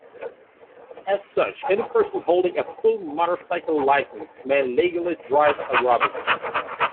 As such, any person holding a "full motorcycle licence" may legally drive a Robin.